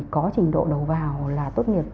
có trình độ đầu vào là tốt nghiệp